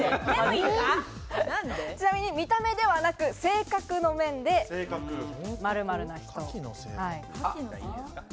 ちなみに見た目ではなく、性格の面で○○な人。